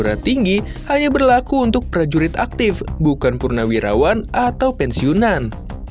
perguruan tinggi hanya berlaku untuk prajurit aktif bukan purnawirawan atau pensiunan